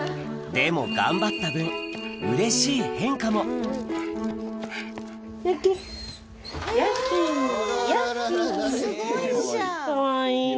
でも頑張った分うれしい変化も良良良。